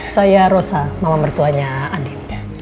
saya rosa mama mertuanya andi